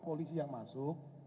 polisi yang masuk